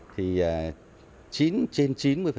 thì trên chín mươi